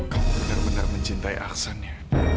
kau benar benar mencintai aksan ya